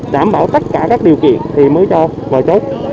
đảm bảo tất cả các điều kiện thì mới cho vào tốt